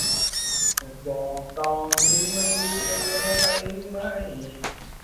แต่บอกตอนนี้ไม่รู้จะเร็วไปหรือไม่